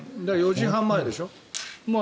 ４時半前でしょ？